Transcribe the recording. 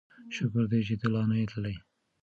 شکر دی چې ته لا نه یې تللی.